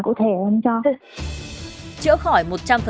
chữa khỏi một trăm linh